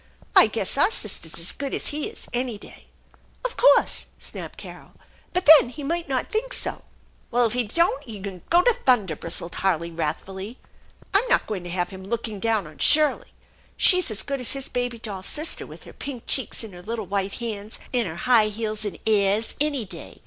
" I guess our sister's as good as he is any day/' " Of course !" snapped Carol ;" but then he might not think so/' " Well, if he don't, he can go to thunder !" bristled Harley wrathf ully. " I'm not going to have him looking down on Shirley. She's as good as his baby doll sister with her pink cheeks, and her little white hands, and her high heels and airs, any day